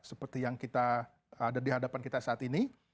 seperti yang kita ada di hadapan kita saat ini